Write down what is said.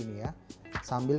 kita masukkan ke dalam airnya